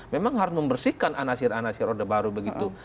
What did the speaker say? memang harus membersihkan anasir anasir orde baru begitu